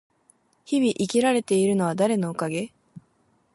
日々生きられているのは誰のおかげ？